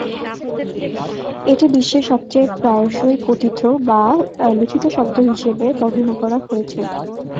এটি বিশ্বের সবচেয়ে প্রায়শই কথিত বা লিখিত শব্দ হিসাবে বর্ণনা করা হয়েছে।